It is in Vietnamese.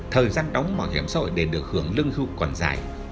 thời gian đóng bảo hiểm xã hội để được hưởng lương hưu còn dài